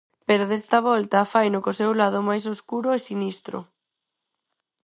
Pero desta volta faino co seu lado máis escuro e sinistro.